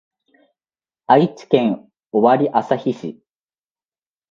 愛知県尾張旭市